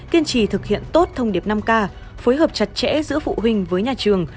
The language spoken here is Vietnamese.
kiên trì thực hiện tốt thông điệp năm k phối hợp chặt chẽ giữa phụ huynh với nhà trường